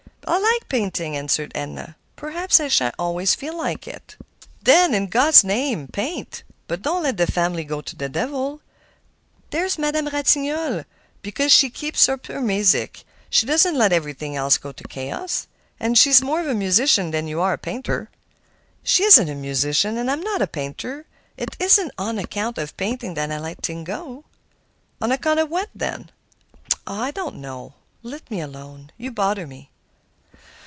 "I feel like painting," answered Edna. "Perhaps I shan't always feel like it." "Then in God's name paint! but don't let the family go to the devil. There's Madame Ratignolle; because she keeps up her music, she doesn't let everything else go to chaos. And she's more of a musician than you are a painter." "She isn't a musician, and I'm not a painter. It isn't on account of painting that I let things go." "On account of what, then?" "Oh! I don't know. Let me alone; you bother me."